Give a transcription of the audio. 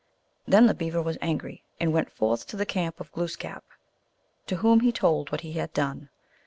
" Then the Beaver was angry, and went forth to the camp of Glooskap, to whom he told what he had done.